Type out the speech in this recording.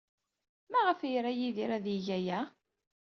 Maɣef ay ira Yidir ad yeg aya?